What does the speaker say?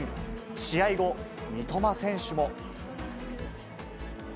試合後、三笘選手も。